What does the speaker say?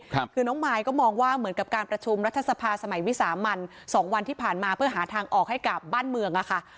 คือน้องมายก็มองว่าเหมือนกับการประชุมรัฐสภาสมัยวิสามันสองวันที่ผ่านมาเพื่อหาทางออกให้กับบ้านเมืองอ่ะค่ะ